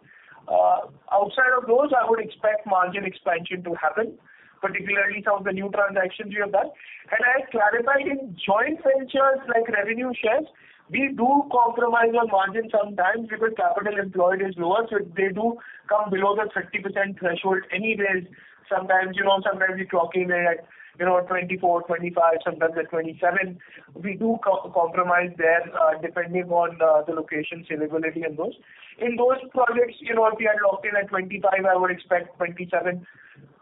E: Outside of those, I would expect margin expansion to happen, particularly some of the new transactions we have done. And I clarified, in joint ventures like revenue shares, we do compromise our margin sometimes because capital employed is lower, so they do come below the 30% threshold anyways. Sometimes, you know, sometimes we lock in at, you know, 24, 25, sometimes at 27. We do compromise there, depending on the location, availability and those. In those projects, you know, if we are locked in at 25, I would expect 27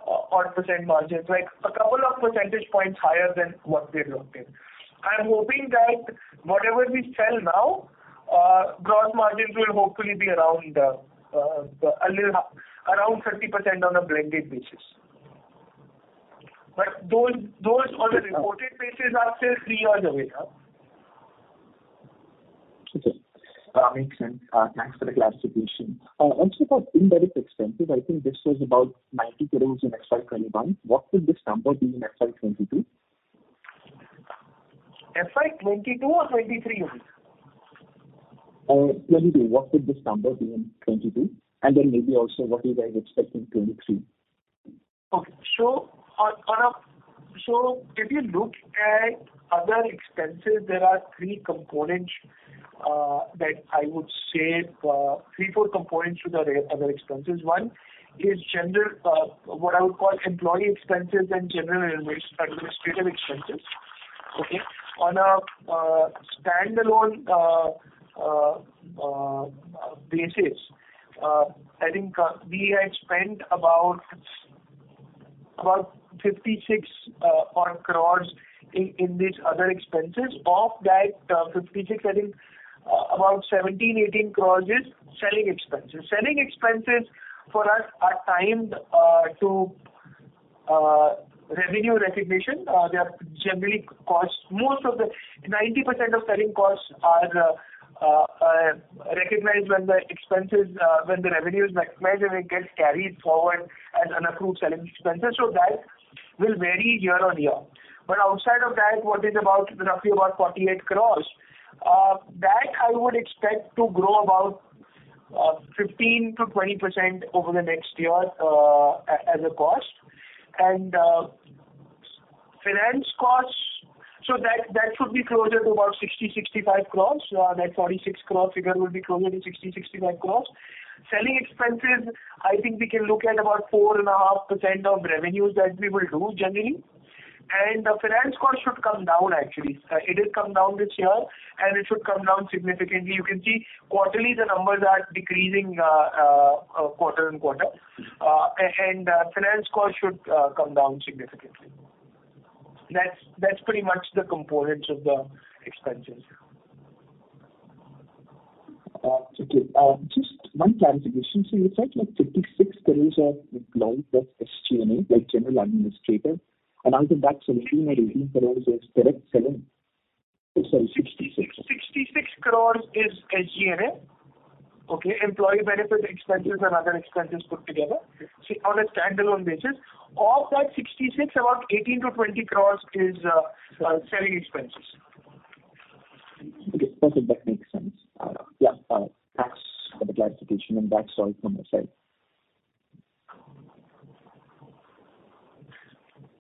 E: odd % margins, like a couple of percentage points higher than what we've locked in. I'm hoping that whatever we sell now, gross margins will hopefully be around, a little around 30% on a blended basis. But those, those on the reported basis are still three years away now.
H: Okay. Makes sense. Thanks for the clarification. Also for indirect expenses, I think this was about 90 crore in FY 2021. What would this number be in FY 2022?
E: FY 2022 or 2023, you mean?
H: 2022. What would this number be in 2022? And then maybe also what you guys expect in 2023.
E: Okay. So if you look at other expenses, there are three components that I would say three, four components to the other expenses. One is general, what I would call employee expenses and general administrative expenses, okay? On a standalone basis, I think we had spent about 56 odd crores in these other expenses. Of that 56, I think about 17 crore-18 crores is selling expenses. Selling expenses for us are timed to revenue recognition. They are generally costs. Most of the 90% of selling costs are recognized when the expenses, when the revenue is recognized, and it gets carried forward as unapproved selling expenses. So that will vary year-on-year. But outside of that, what is about roughly about 48 crores, that I would expect to grow about 15%-20% over the next year, as a cost. Finance costs, so that should be closer to about 60-65 crores. That 46 crore figure will be closer to 60 crores-65 crores. Selling expenses, I think we can look at about 4.5% of revenues that we will do genersally. And the finance cost should come down, actually. It has come down this year, and it should come down significantly. You can see quarterly, the numbers are decreasing, quarter on quarter. And finance cost should come down significantly. That's pretty much the components of the expenses.
H: Okay. Just one clarification. So you said, like, 56 crore are employee plus SG&A, like general administrator, and out of that, 17 crore or 18 crore is direct selling? Oh, sorry, 66 crore.
E: 66 crore is SG&A, okay? Employee benefit expenses and other expenses put together.
H: Okay.
E: On a standalone basis, of that 66 crore, about 18 crore-20 crore is,
H: Right.
E: -selling expenses.
H: Okay, perfect. That makes sense. Yeah, thanks for the clarification, and that's all from my side.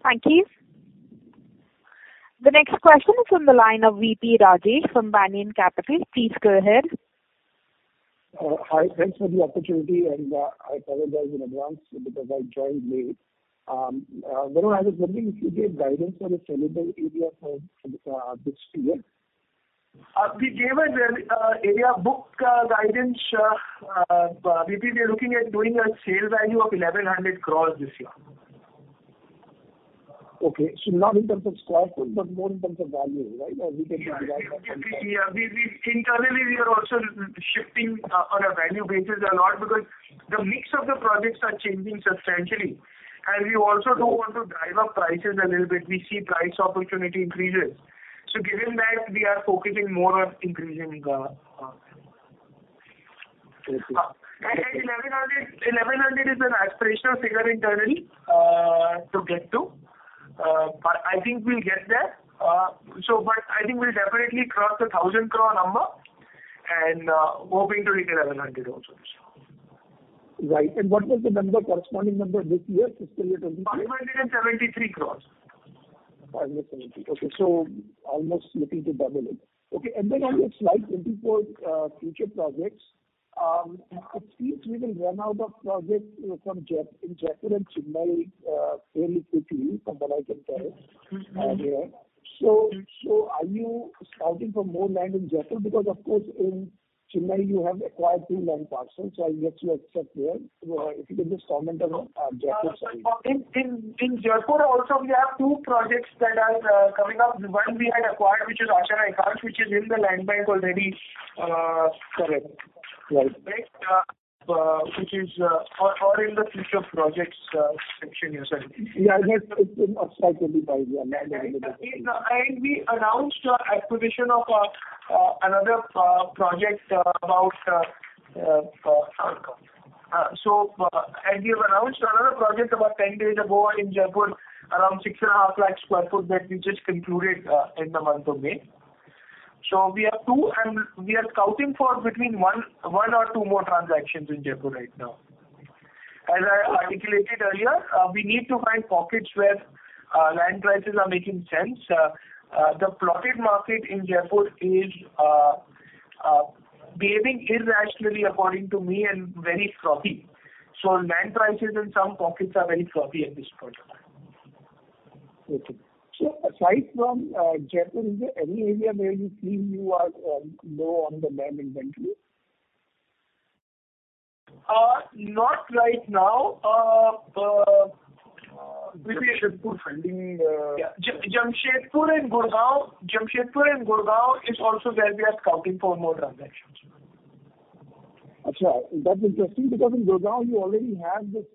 A: Thank you. The next question is from the line of V.P. Rajesh from Banyan Capital. Please go ahead.
I: Hi. Thanks for the opportunity, and I apologize in advance because I joined late. Vinod, I was wondering if you gave guidance on the sellable area for this year?
E: We gave an area booking guidance. We are looking at doing a sales value of 1,100 crore this year.
I: Okay. So not in terms of square foot, but more in terms of value, right? Or we can-
E: Yeah. We internally, we are also shifting on a value basis a lot, because the mix of the projects are changing substantially, and we also do want to drive up prices a little bit. We see price opportunity increases. So given that, we are focusing more on increasing the...
I: Okay.
E: 1,100 crore, 1,100 crore is an aspirational figure internally to get to. But I think we'll get there. So but I think we'll definitely cross the 1,000 crore number and hoping to hit 1,100 crore also this year.
I: Right. And what was the number, corresponding number this year, fiscal year 2022?
E: 573 crore.
I: 580. Okay, so almost looking to double it. Okay, and then on your Slide 24, future projects, it seems we will run out of projects from Jaipur and Chennai fairly quickly from what I can tell here. So, are you scouting for more land in Jaipur? Because, of course, in Chennai, you have acquired two land parcels, so I guess you are set there. If you could just comment on Jaipur side.
E: In Jaipur also, we have two projects that are coming up. One we had acquired, which is Ashiana Ekansh, which is in the land bank already.
I: Correct. Right.
E: Right? Which is, in the future projects section you said.
I: Yeah, that's absolutely right. Yeah.
E: And we announced acquisition of another project about... So and we have announced another project about 10 days ago in Jaipur, around 6.5 lakh sq ft, that we just concluded in the month of May. So we have two, and we are scouting for between one or two more transactions in Jaipur right now. As I articulated earlier, we need to find pockets where land prices are making sense. The plotted market in Jaipur is behaving irrationally, according to me, and very frothy. So land prices in some pockets are very frothy at this point in time.
I: Okay. So aside from Jaipur, is there any area where you feel you are low on the land inventory?
E: Not right now.
I: Jamshedpur finding,
E: Yeah, Jamshedpur and Gurgaon. Jamshedpur and Gurgaon is also where we are scouting for more transactions.
B: That's interesting, because in Gurgaon, you already have this,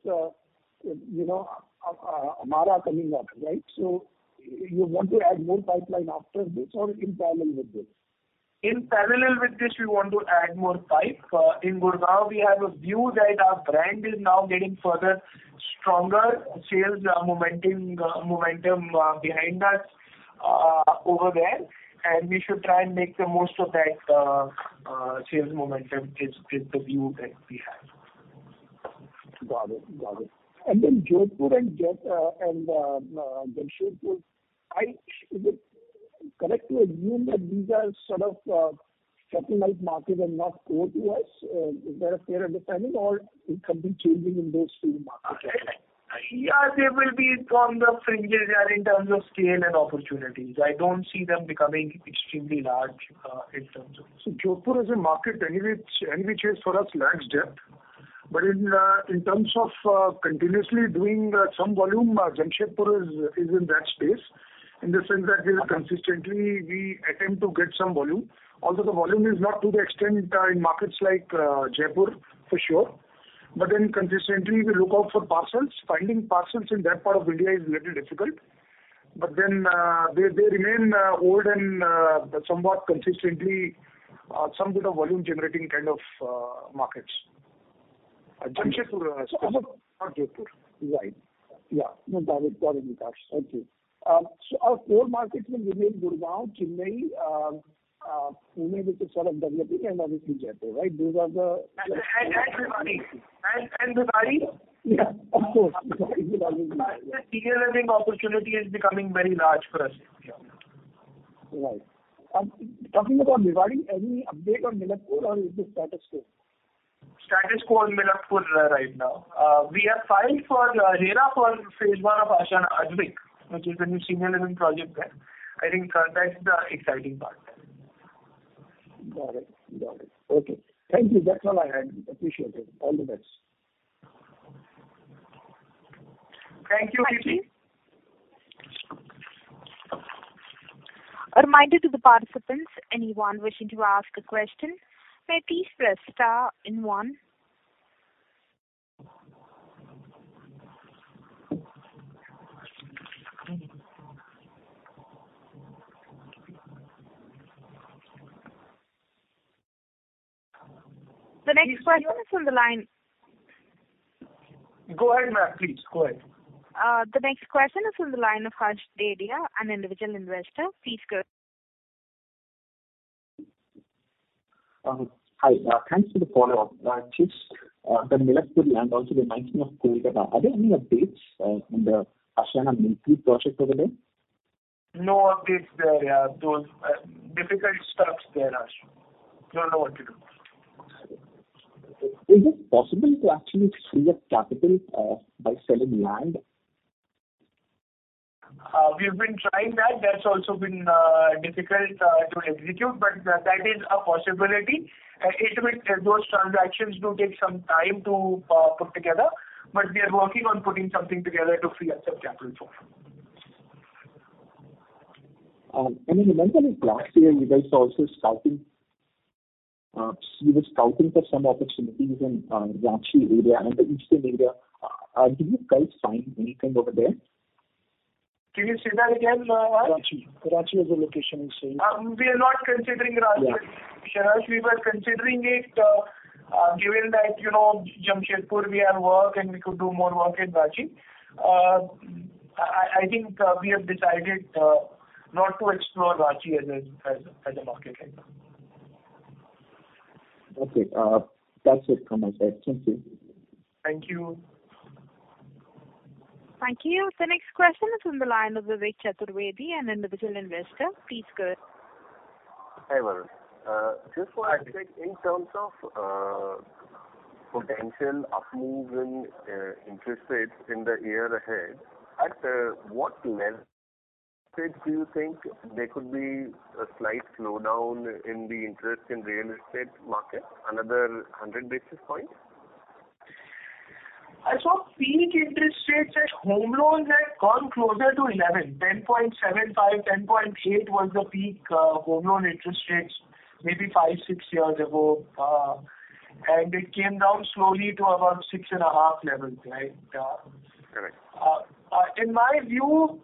B: you know, Amarah coming up, right? So you want to add more pipeline after this or in parallel with this?
E: In parallel with this, we want to add more pipeline. In Gurgaon, we have a view that our brand is now getting further stronger. Sales momentum behind us over there, and we should try and make the most of that, sales momentum is the view that we have.
I: Got it. Got it. And then Jodhpur and Jaipur and Jamshedpur, I... Is it correct to assume that these are sort of satellite markets and not core to us? Is that a fair understanding or something changing in those two markets?
E: Yeah, they will be on the fringes there in terms of scale and opportunities. I don't see them becoming extremely large, in terms of-
C: So Jodhpur as a market, any which, any which is for us, lacks depth. But in, in terms of, continuously doing, some volume, Jamshedpur is, is in that space, in the sense that we are consistently, we attempt to get some volume. Also the volume is not to the extent, in markets like, Jaipur, for sure. But then consistently, we look out for parcels. Finding parcels in that part of India is a little difficult. But then, they, they remain, old and, somewhat consistently, some bit of volume generating kind of, markets. Jamshedpur, not Jodhpur.
I: Right. Yeah. No, got it. Got it, Yes. Okay, so our core markets will remain Gurgaon, Chennai, Pune, which is sort of developing and obviously Jaipur, right? Those are the-
E: Mumbai. Mumbai.
I: Yeah, of course.
E: The senior living opportunity is becoming very large for us.
I: Right. Talking about Mumbai, any update on Milakpur or is it status quo?
E: Status quo on Milakpur right now. We have filed for RERA for Phase I of Ashiana Advik, which is the new senior living project there. I think that's the exciting part.
I: Got it. Got it. Okay. Thank you. That's all I had. Appreciate it. All the best.
E: Thank you, Rajesh.
A: A reminder to the participants, anyone wishing to ask a question, may please press star and one. The next question is on the line.
E: Go ahead, ma'am. Please go ahead.
A: The next question is on the line of Harsh Dedhia, an individual investor. Please go.
H: Hi, thanks for the follow-up. Rajesh, the Milakpur land, also the mention of Kolkata, are there any updates on the Ashiana Milakpur project over there?
E: No updates there, yeah. Those, difficult stuff there, Harsh. Don't know what to do.
H: Is it possible to actually free up capital by selling land?
E: We've been trying that. That's also been difficult to execute, but that is a possibility. It will... Those transactions do take some time to put together, but we are working on putting something together to free up some capital for it.
H: And I remember last year you guys were also scouting, you were scouting for some opportunities in Ranchi area and the eastern area. Did you guys find anything over there?
E: Can you say that again, Harsh?
H: Ranchi. Ranchi as a location, you say.
E: We are not considering Ranchi.
H: Yeah.
E: Harsh, we were considering it, given that, you know, Jamshedpur we have work and we could do more work in Ranchi. I think, we have decided, not to explore Ranchi as a market right now.
H: Okay, that's it from my side. Thank you.
E: Thank you.
A: Thank you. The next question is from the line of Vivek Chaturvedi, an individual investor. Please go ahead.
J: Hi, well, just wanted to check in terms of, potential up move in, interest rates in the year ahead, at, what level do you think there could be a slight slowdown in the interest in real estate market? Another 100 basis points?
E: I saw peak interest rates at home loans have come closer to 11%, 10.75%, 10.8% was the peak, home loan interest rates, maybe five, six years ago, and it came down slowly to about 6.5% levels, right? Correct. In my view,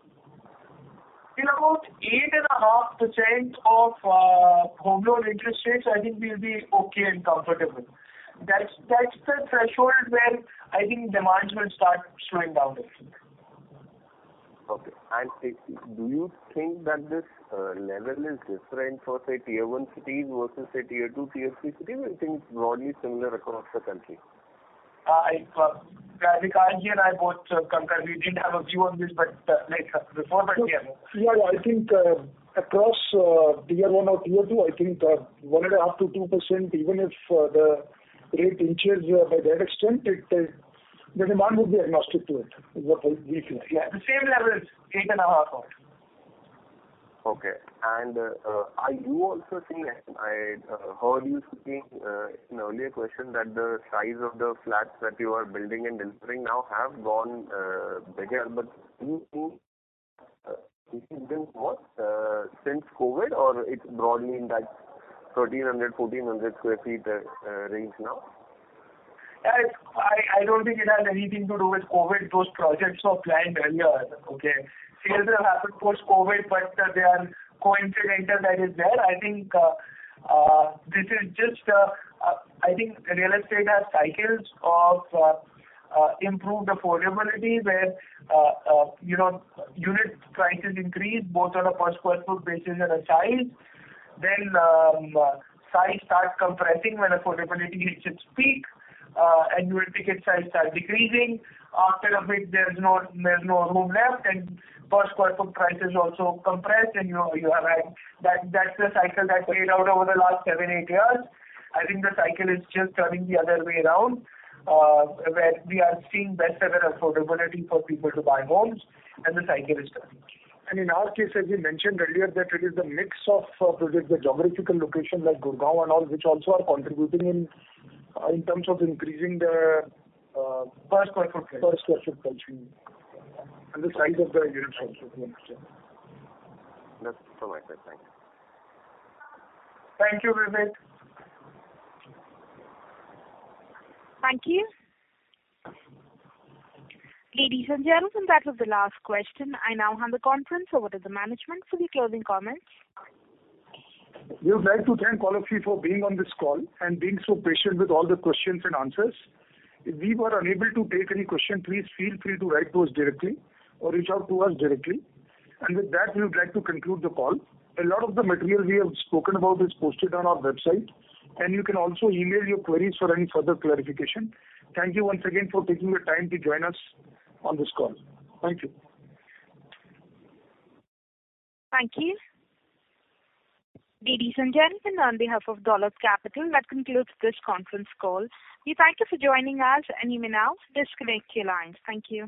E: in about 8.5% of home loan interest rates, I think we'll be okay and comfortable. That's, that's the threshold where I think demands will start slowing down a bit.
J: Okay. Do you think that this level is different for, say, tier one cities versus, say, tier two, tier three cities, or you think broadly similar across the country?
E: I, Vikash and I both concur. We didn't have a view on this, but, like before, but yeah.
C: Yeah, I think, across, tier one or tier two, I think, 1.5%-2%, even if, the rate increases by that extent, it, the demand would be agnostic to it, is what we feel.
E: Yeah. The same levels, 8.5% out.
J: Okay. And, are you also seeing... I, heard you speaking, in an earlier question, that the size of the flats that you are building and delivering now have gone, bigger. But do you think, this has been what, since COVID, or it's broadly in that 1,300-1,400 sq ft range now?
E: I, I don't think it has anything to do with COVID. Those projects were planned earlier, okay? Sales have happened post-COVID, but they are coincidental that is there. I think, this is just, I think real estate has cycles of, improved affordability, where, you know, unit prices increase both on a per sq ft basis and a size. Then, size starts compressing when affordability hits its peak, and you will see its size start decreasing. After a bit, there's no, there's no room left, and per sq ft prices also compress, and you, you are at that. That's the cycle that played out over the last seven, eight years. I think the cycle is just turning the other way around, where we are seeing best ever affordability for people to buy homes, and the cycle is turning.
C: And in our case, as we mentioned earlier, that it is the mix of projects, the geographical location, like Gurgaon and all, which also are contributing in, in terms of increasing the, per square foot price. Per square foot price, and the size of the units also.
J: That's all right, then. Thank you.
E: Thank you, Vivek.
A: Thank you. Ladies and gentlemen, that was the last question. I now hand the conference over to the management for the closing comments.
E: We would like to thank all of you for being on this call and being so patient with all the questions and answers. If we were unable to take any question, please feel free to write to us directly or reach out to us directly. With that, we would like to conclude the call. A lot of the material we have spoken about is posted on our website, and you can also email your queries for any further clarification. Thank you once again for taking the time to join us on this call. Thank you.
A: Thank you. Ladies and gentlemen, on behalf of Dolat Capital, that concludes this conference call. We thank you for joining us, and you may now disconnect your lines. Thank you.